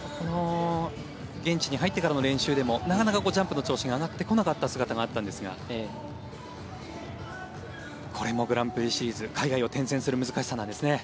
現地に入ってからの練習でもなかなかジャンプの調子が上がってこなかった姿があったんですがこれもグランプリシリーズ海外を転戦する難しさなんですね。